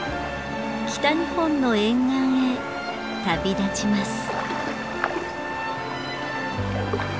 北日本の沿岸へ旅立ちます。